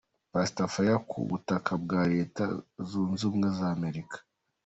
Pastor Fire ku butaka bwa Leta Zunze Ubumwe za Amerika.